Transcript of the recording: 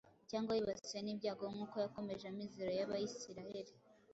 cyangwa wibasiwe n‟ibyago nk‟uko yakomeje amizero y‟Abayisiraheli